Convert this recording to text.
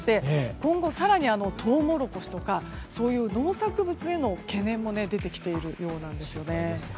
今後更にトウモロコシとかそういう農作物への懸念も出てきているようです。